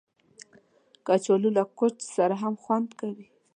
کچالو له کوچ سره هم خوند کوي